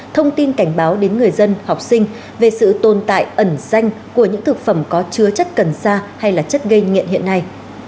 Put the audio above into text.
thông tin cảnh báo đến người dân học sinh về sự tồn tại ẩn danh của những thực phẩm có chứa chất cần sa hay là chất gây nghiện hiện nay